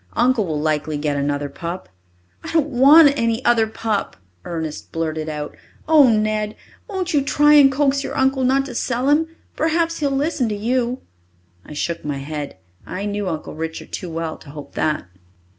"Uncle will likely get another pup." "I don't want any other pup!" Ernest blurted out. "Oh, Ned, won't you try and coax your uncle not to sell him? Perhaps he'd listen to you." I shook my head. I knew Uncle Richard too well to hope that.